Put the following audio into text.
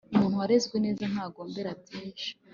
umuntu warezwe neza ntagombera byinshi